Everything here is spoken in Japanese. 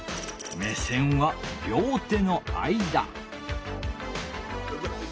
目線は両手の間。